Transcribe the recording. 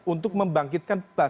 untuk membangkitkan perkembangan